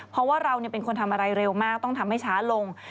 เพราะว่าเราเป็นคนทำอะไรเร็วมากต้องทำให้ช้าลง